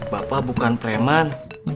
bapak bukan preman